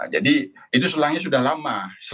jadi itu selangnya sudah lama